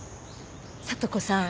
里子さん。